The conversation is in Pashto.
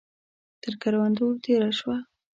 تر کروندو تېره شوه.